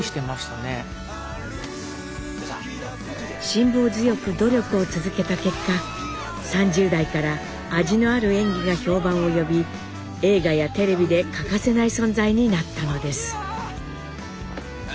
辛抱強く努力を続けた結果３０代から味のある演技が評判を呼び映画やテレビで欠かせない存在になったのです。